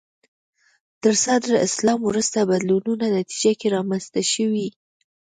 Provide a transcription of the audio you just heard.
تر صدر اسلام وروسته بدلونونو نتیجه کې رامنځته شوي